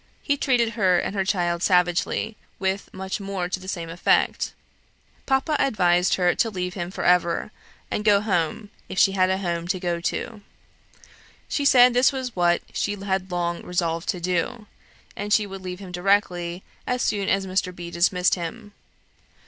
He treated her and her child savagely; with much more to the same effect. Papa advised her to leave him for ever, and go home, if she had a home to go to. She said, this was what she had long resolved to do; and she would leave him directly, as soon as Mr. B. dismissed him.